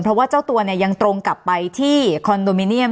เพราะว่าเจ้าตัวเนี่ยยังตรงกลับไปที่คอนโดมิเนียม